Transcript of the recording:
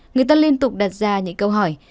người ta liên tục đặt ra những câu hỏi